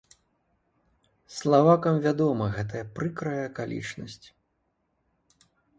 Славакам вядома гэтая прыкрая акалічнасць.